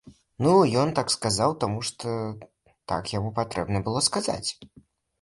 Ну, ён так сказаў, таму, што так яму патрэбна было сказаць.